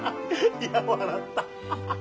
いや笑った！